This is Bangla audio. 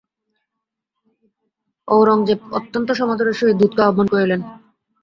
ঔরংজেব অত্যন্ত সমাদরের সহিত দূতকে আহ্বান করিলেন।